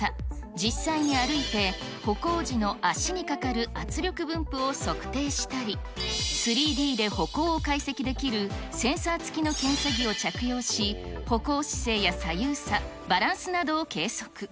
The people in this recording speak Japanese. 実際に歩いて、歩行時の足にかかる圧力分布を測定したり、３Ｄで歩行を解析できるセンター付きの検査着を着用し、歩行姿勢や左右差、バランスなどを計測。